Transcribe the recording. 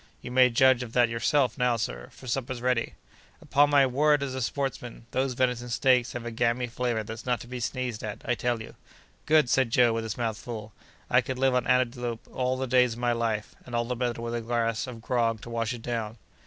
"You may judge of that yourself, now, sir, for supper's ready." "Upon my word as a sportsman, those venison steaks have a gamy flavor that's not to be sneezed at, I tell you." "Good!" said Joe, with his mouth full, "I could live on antelope all the days of my life; and all the better with a glass of grog to wash it down."